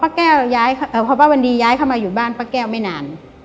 พอป้าวันดีย้ายเข้ามาอยู่บ้านป้าแก้วไม่นาน